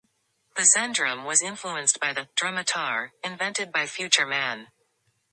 The Zendrum was influenced by the "Drumitar," invented by Future Man.